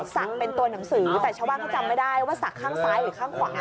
ศักดิ์เป็นตัวหนังสือแต่ชาวบ้านเขาจำไม่ได้ว่าสักข้างซ้ายหรือข้างขวา